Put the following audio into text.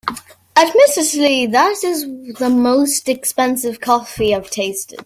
Admittedly, that is the most expensive coffee I’ve tasted.